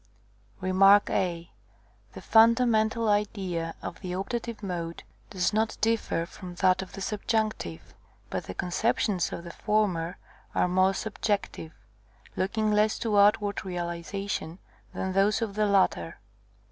(Acts xxiv. 19.) Rem. a. The fundamental idea of the optative mode does not differ from that of the subjunctive ; but the conceptions of the former are more subjective, looking less to outward realization than those of the latter.